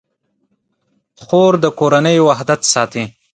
خور د کورنۍ وحدت ساتي.